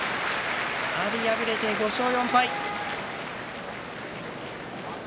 阿炎、敗れて５勝４敗。